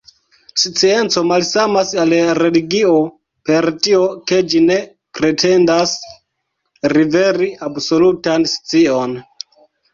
Scienco malsamas al religio, per tio, ke ĝi ne pretendas liveri absolutan scion.